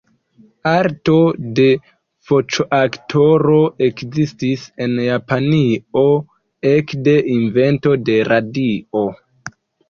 Arto de voĉoaktoro ekzistis en Japanio ekde invento de radio.